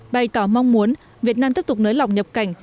bày tỏ mong muốn việt nam tiếp tục nới lỏng nhập cảnh